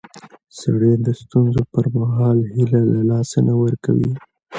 سړی د ستونزو پر مهال هیله له لاسه نه ورکوي